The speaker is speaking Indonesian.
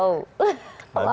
wow bagus tuh